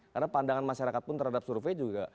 karena pandangan masyarakat pun terhadap survei juga